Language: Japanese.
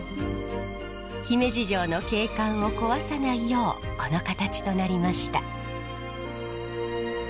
姫路城の景観を壊さないようこの形となりました。